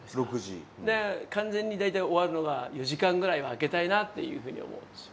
で完全に大体終わるのが４時間ぐらいは空けたいなっていうふうに思うんですよ。